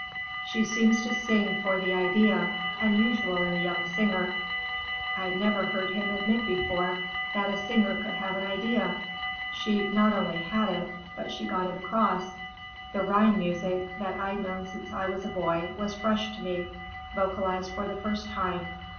She seems to sing for the idea. Unusual in a young singer.' I'd never heard him admit before that a singer could have an idea. She not only had it, but she got it across. The Rhine music, that I'd known since I was a boy, was fresh to me, vocalized for the first time.